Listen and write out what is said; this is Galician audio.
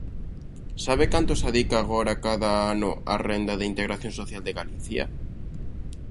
¿Sabe canto se adica agora cada ano á Renda de Integración Social de Galicia?